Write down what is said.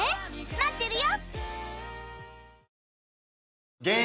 待ってるよ！